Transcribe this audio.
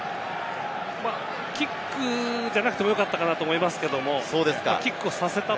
キックじゃなくても、よかったかなと思いますけれども、キックをさせた。